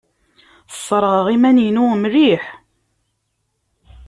Sserɣeɣ iman-inu mliḥ.